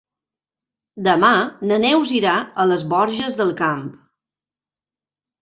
Demà na Neus irà a les Borges del Camp.